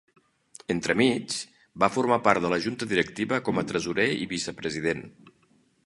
Entremig, va formar part de la junta directiva com a tresorer i vicepresident.